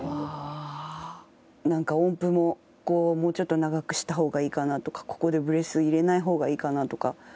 なんか音符もここをもうちょっと長くした方がいいかな？とかここでブレス入れない方がいいかな？とか。